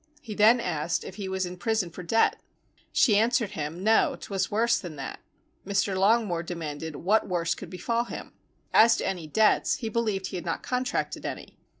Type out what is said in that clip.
He then asked if he was in prison for debt. She answered him, No, 'twas worse than that. Mr. Longmore demanded what worse could befall him. As to any debts, he believed he had not contracted any.